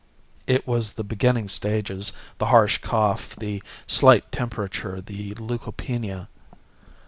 It was the beginning stages, the harsh cough, the slight temperature, the leukopenia.